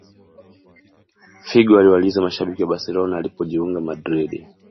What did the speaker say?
Figo aliwaliza mashabiki wa barcelona alipojiunga madrid